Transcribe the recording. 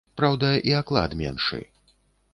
Праўда, і аклад меншы.